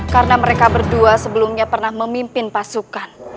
karena mereka berdua sebelumnya pernah memimpin pasukan